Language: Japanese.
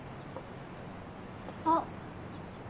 あっ。